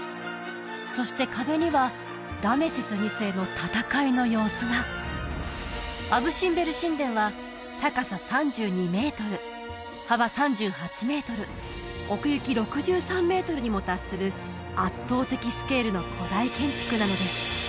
そして壁にはラメセス２世の戦いの様子がアブ・シンベル神殿はにも達する圧倒的スケールの古代建築なのです